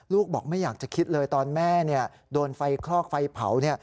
ลูกบอกไม่อยากจะคิดเลยตอนแม่โดนไฟคลอกไฟเผา